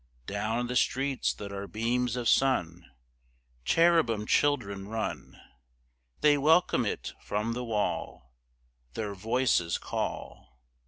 Down the streets that are beams of sun Cherubim children run; They welcome it from the wall; Their voices call.